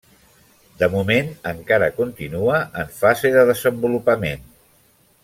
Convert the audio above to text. De moment encara continua en fase de desenvolupament.